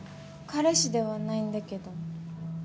彼氏ではないんだけど。